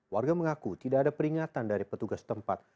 warga mengaku tidak ada peringatan dari petugas tempat